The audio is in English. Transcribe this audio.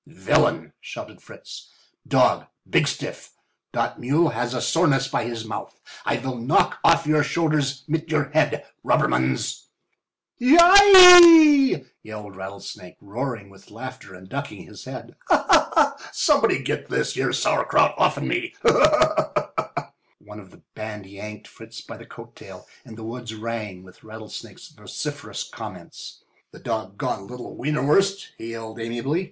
"Villain!" shouted Fritz, "dog, bigstiff! Dot mule he has a soreness by his mouth. I vill knock off your shoulders mit your head— robbermans!" "Yi yi!" howled Rattlesnake, roaring with laughter and ducking his head, "somebody git this here sour krout off'n me!" One of the band yanked Fritz back by the coat tail, and the woods rang with Rattlesnake's vociferous comments. "The dog goned little wienerwurst," he yelled, amiably.